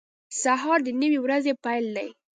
• سهار د نوې ورځې پیل دی.